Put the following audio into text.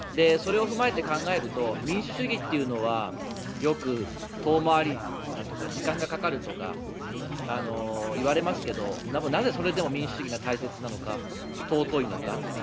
それを踏まえて考えると民主主義というのはよく遠回りだとか時間がかかるとかいわれますけど、なぜそれでも民主主義が大切なのか尊いのか。